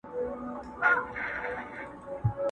جهاني له دې وطنه یوه ورځ کډي باریږي!!